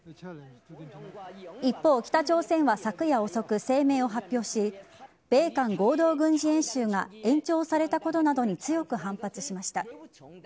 一方、北朝鮮は昨夜遅く声明を発表し米韓合同軍事演習が延長されたことなどに強く反発しました。